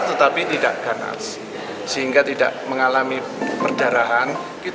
tetapi tidak ganas sehingga tidak mengalami perdarahan